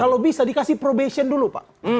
kalau bisa dikasih probation dulu pak